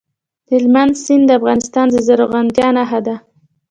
هلمند سیند د افغانستان د زرغونتیا نښه ده.